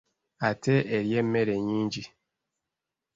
Ate erya emmere nnyingi.